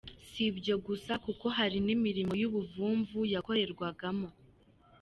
Si ibyo gusa kuko hari n’imirimo y’ubuvumvu yakorerwagamo.